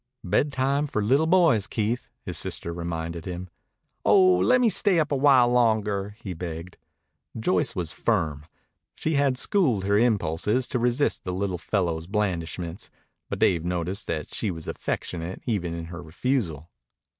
"Bedtime for li'l boys, Keith," his sister reminded him. "Oh, lemme stay up a while longer," he begged. Joyce was firm. She had schooled her impulses to resist the little fellow's blandishments, but Dave noticed that she was affectionate even in her refusal.